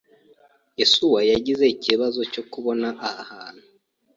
Yesuwa yagize ikibazo cyo kubona aha hantu.